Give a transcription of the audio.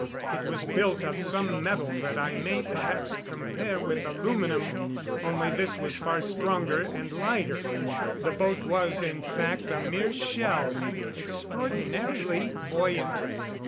It was built of some metal that I may perhaps compare with aluminium, only this was far stronger and lighter. The boat was, in fact, a mere shell, extraordinarily buoyant.